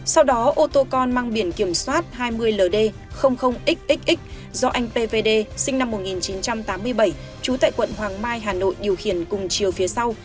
sau đó ô tô con mang biển kiểm soát hai mươi ld xxx do anh pvd sinh năm một nghìn chín trăm tám mươi bảy trú tại quận hoàng mai hà nội điều khiển cùng chiều phía sau